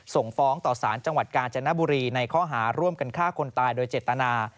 ส่งฟ้องต่อสารจังหวัดกาญจนบุรีในข้อหาร่วมกันฆ่าคนตายโดยเจตนา